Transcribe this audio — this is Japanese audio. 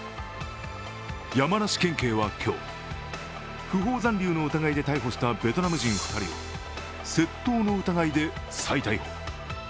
山梨県警は今日、訃報残留の疑いで逮捕したベトナム人２人を窃盗の疑いで再逮捕。